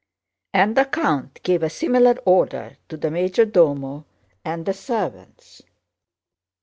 And the count gave a similar order to the major domo and the servants.